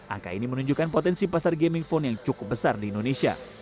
angka ini menunjukkan potensi pasar gaming phone yang cukup besar di indonesia